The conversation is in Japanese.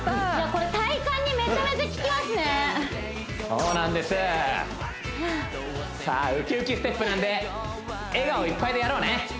これ体幹にめちゃめちゃ効きますねそうなんですさあウキウキステップなんで笑顔いっぱいでやろうね！